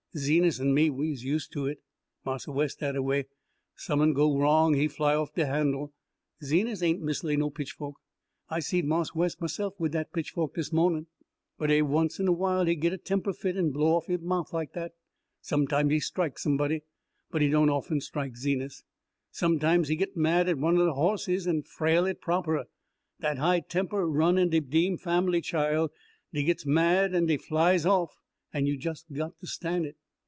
Zenas an' me, we's use to it. Marse Wes dataway; som'n go wrong he fly off de handle. Zenas ain't mislay no pitchfo'k I seed Marse Wes mahse'f wid dat pitchfo'k dis mawnin'. But eve'y once in a while he git a temper fit an' blow off he mouf like dat. Sometimes he strike some buddy but he doan often strike Zenas. Sometimes he git mad at oner de hosses an' frail it proper. Dat high temper run in de Dean fambly, chile. Dey gits mad, an' dey flies off, an' you just got to stan' it."